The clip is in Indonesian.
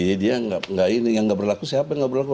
yang tidak berlaku siapa yang tidak berlaku